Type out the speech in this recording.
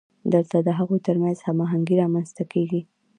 دلته د هغوی ترمنځ هماهنګي رامنځته کیږي.